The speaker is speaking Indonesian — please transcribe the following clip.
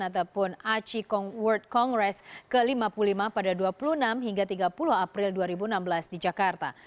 ataupun aci world congress ke lima puluh lima pada dua puluh enam hingga tiga puluh april dua ribu enam belas di jakarta